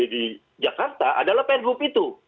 di jakarta adalah perhub itu